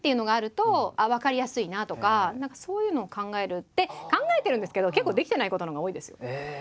何かそういうのを考えるって考えてるんですけど結構できてないことのほうが多いですよ。